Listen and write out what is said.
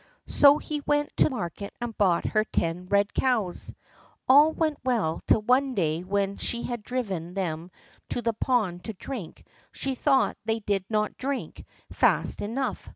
So he went to market and bought her ten red cows. All went well till one day when she had driven them to the pond to drink, she thought they did not drink fast enough.